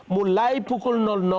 mulai pukul